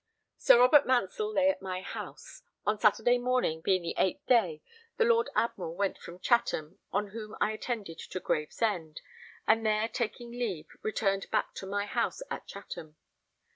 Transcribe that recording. Sir Robert Mansell lay at my house. On Saturday morning, being the 8th day, the Lord Admiral went from Chatham, on whom I attended to Gravesend, and there taking leave returned back to my house [at] Chatham.